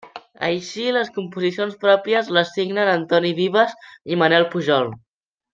Així, les composicions pròpies les signen Antoni Vives i Manel Pujol.